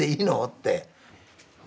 って。